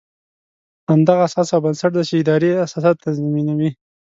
همدغه اساس او بنسټ دی چې ادارې اساسات تنظیموي.